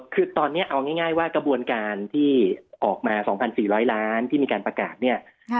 คือตอนนี้เอาง่ายว่ากระบวนการที่ออกมา๒๔๐๐ล้านที่มีการประกาศเนี่ย